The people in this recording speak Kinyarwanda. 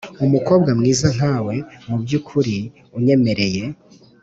umukobwa mwiza nkawe, mubyukuri unyemereye